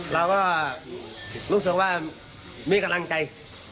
เราก็รู้สึกว่ามีกำลังใจ